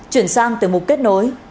chuyển sang từ mục kết nối